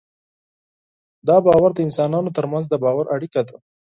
دا باور د انسانانو تر منځ د باور اړیکه ده.